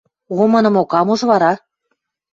Омынымок ам уж вара?